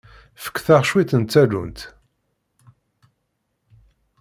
Fket-aɣ cwiṭ n tallunt.